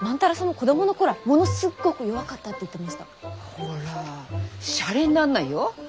ほらしゃれになんないよ。